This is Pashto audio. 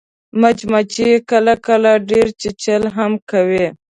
مچمچۍ کله کله ډېر چیچل هم کوي